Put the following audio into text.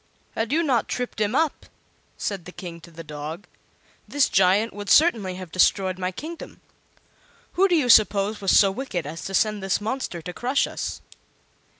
"Had you not tripped him up," said the King to the dog, "this giant would certainly have destroyed my kingdom. Who do you suppose was so wicked as to send this monster to crush us?"